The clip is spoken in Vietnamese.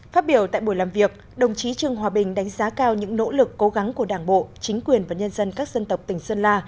phát biểu tại buổi làm việc đồng chí trương hòa bình đánh giá cao những nỗ lực cố gắng của đảng bộ chính quyền và nhân dân các dân tộc tỉnh sơn la